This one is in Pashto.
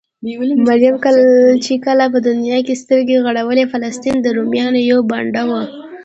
مريم چې کله په دونيا کې سترګې غړولې؛ فلسطين د روميانو يوه بانډه وه.